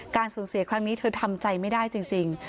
สูญเสียครั้งนี้เธอทำใจไม่ได้จริง